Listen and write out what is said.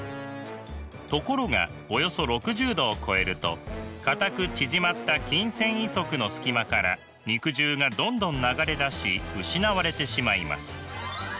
ところがおよそ６０℃を超えると固く縮まった筋繊維束の隙間から肉汁がどんどん流れ出し失われてしまいます。